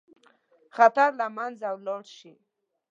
خطر له منځه ولاړ شي.